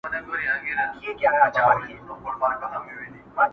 سرکار وايی لا اوسی خامخا په کرنتین کي؛